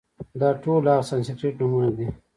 دا ټول هغه سانسکریت نومونه دي،